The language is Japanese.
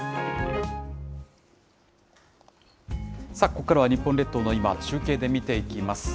ここからは日本列島の今を中継で見ていきます。